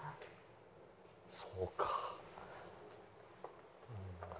そうか。